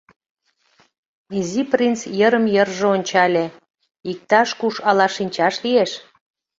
Изи принц йырым-йырже ончале — иктаж-куш ала шинчаш лиеш?